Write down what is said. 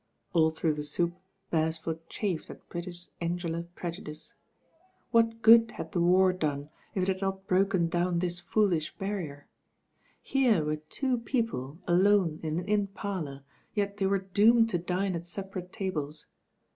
AU through the 80 THE RAIN GIRL ^upBcresford chafed at British insular prejudice. What good had the war done if it had not broken down this foolish barrier? Here were two people alone in an inn parlour, yet they were doomed to dine at separate tables.